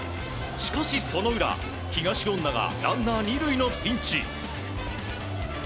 しかし、その裏東恩納がランナー２塁のピンチ。